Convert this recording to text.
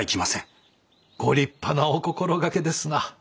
ご立派なお心がけですな。